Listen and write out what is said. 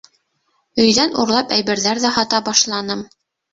Өйҙән урлап әйберҙәр ҙә һата башланым.